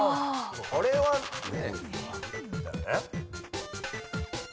これはね。